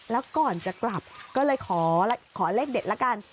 แล้วก่อนจะกลับก็เลยขอเลขเด็ดละกัน